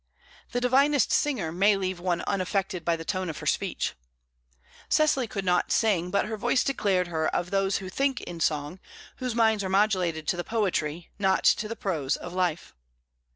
The divinest singer may leave one unaffected by the tone of her speech. Cecily could not sing, but her voice declared her of those who think in song, whose minds are modulated to the poetry, not to the prose, of life.